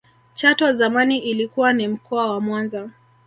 chato zamani ilikuwa ni mkoa wa mwanza